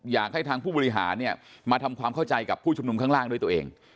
อยากให้ทางผู้บริหารเนี่ยมาทำความเข้าใจกับผู้ชุมนุมข้างล่างด้วยตัวเอง